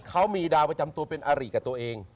เขามีดาวประจำตัวเป็นอาริกับตัวเอง